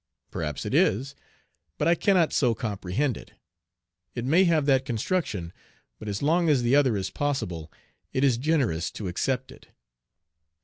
Perhaps it is, but I cannot so comprehend it. It may have that construction, but as long as the other is possible it is generous to accept it.